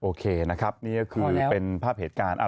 โอเคนะครับนี่ก็คือเป็นภาพเหตุการณ์